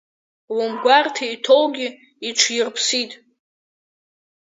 Лымгәарҭа иҭоугьы иҽирԥсит.